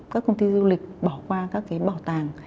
các công ty du lịch bỏ qua các cái bảo tàng